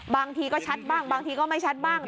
บางทีก็ชัดบ้างบางทีก็ไม่ชัดบ้าง